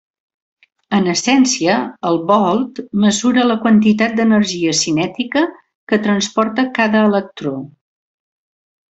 En essència, el volt mesura la quantitat d'energia cinètica que transporta cada electró.